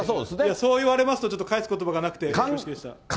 そう言われますと、ちょっと返すことばがなくて、失礼しました。